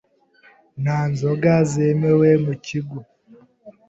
Nta nzoga zemewe mu kigo .